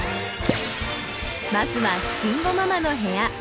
まずは「慎吾ママの部屋」。